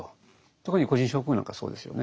特に個人症候群なんかそうですよね。